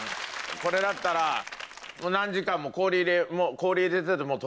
これだったらもう何時間も氷入れてても溶けないし。